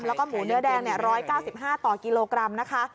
แล้วก็หมูเนื้อแดง๑๙๕ต่อกิโลกรัมนะคะ